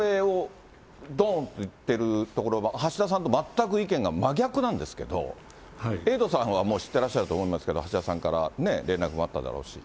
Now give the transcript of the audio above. どーんと言ってるところ、橋田さんと全く意見が真逆なんですけど、エイトさんはもう知ってらっしゃると思いますけれども、橋田さんから連絡もあっただろうし。